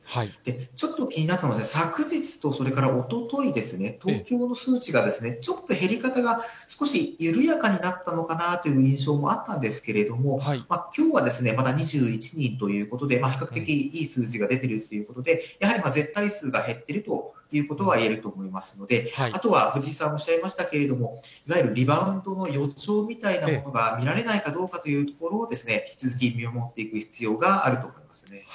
ちょっと気になったのは、昨日とそれからおとといですね、東京の数値が、ちょっと減り方が少し緩やかになったのかなという印象もあったんですけれども、きょうはまた２１人ということで、比較的いい数字が出てるっていうことで、やはり絶対数が減ってるということはいえると思いますので、あとは藤井さんもおっしゃいましたけれども、いわゆるリバウンドの予兆みたいなものが見られないかどうかというところを、引き続き見守っていく必要があると思いますね。